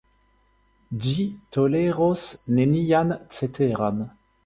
Ĝi toleros nenian ceteran.